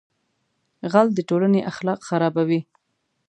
غل د ټولنې اخلاق خرابوي